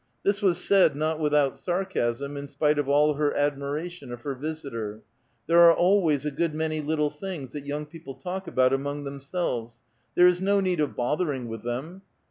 This was said not without sarcasm, in spite of all her admiration of her visitor. " There are always a good many little things that young people talk about among themselves ; there is no need of bothering with them."